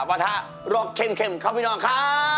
ประทะโรคเข็มครับพี่น้องค่ะ